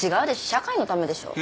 社会のためでしょ。